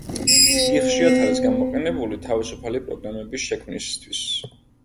იგი ხშირად არის გამოყენებული თავისუფალი პროგრამების შექმნისთვის.